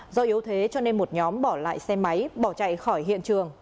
do yếu thế cho nên một nhóm bỏ lại xe máy bỏ chạy khỏi hiện trường